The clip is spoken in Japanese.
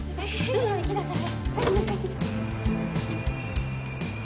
早く行きなさい。